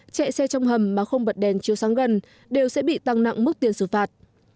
chạy xe trong hầm mà không bật đèn chiếu sáng gần đều sẽ bị tăng nặng mức tiền xử phạt